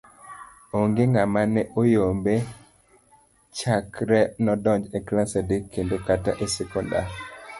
Onge ng'ama ne oyombe chakre nodonj e klas adek kendo kata e sekondar.